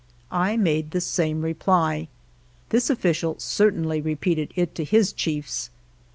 I made the same reply. This official certainly repeated it to his chiefs.